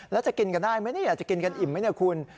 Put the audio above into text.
แล้วจะกินกันได้ไหมจะกินกันอิ่มไหมเนี่ยคุณ